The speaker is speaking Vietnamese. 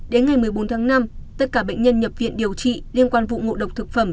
đến ngày một mươi bốn tháng năm tất cả bệnh nhân nhập viện điều trị liên quan vụ ngộ độc thực phẩm